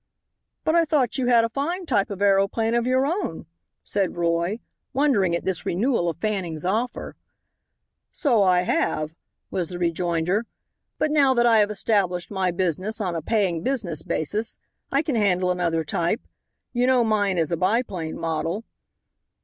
"But I thought you had a fine type of aeroplane of your own," said Roy, wondering at this renewal of Fanning's offer. "So I have," was the rejoinder, "but now that I have established my business on a paying business basis I can handle another type. You know mine is a biplane model."